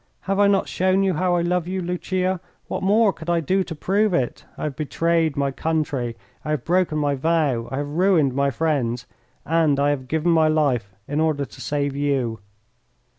"Have I not shown you how I love you, Lucia? What more could I do to prove it? I have betrayed my country, I have broken my vow, I have ruined my friends, and I have given my life in order to save you."